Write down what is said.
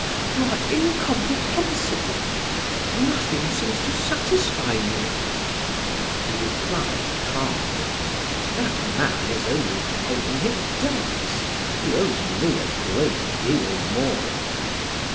"You are incomprehensible. Nothing seems to satisfy you." He replied calmly: "That man is only paying his debts; he owes me a great deal more."